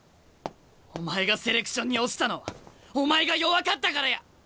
お前がセレクションに落ちたのはお前が弱かったからや。